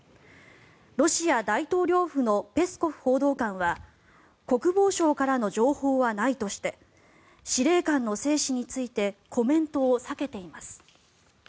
ロシア大統領府のペスコフ報道官は国防省からの情報はないとして司令官の生死についてコメントを避けています。